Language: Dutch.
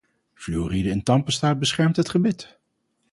Fluoride in tandpasta beschermt het gebit.